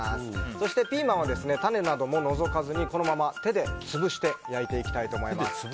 そしてピーマンは種なども除かずにこのまま手で潰して焼いていきたいと思います。